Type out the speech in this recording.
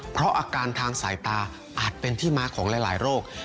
เพราะอาการทางสายตาอาจเป็นที่มาของหลายโรค